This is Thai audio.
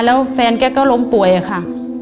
แล้วแฟนแกก็ล้มป่วยอะค่ะ